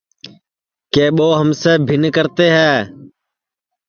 کہ ٻو ہم سے بِھن کرتے ہے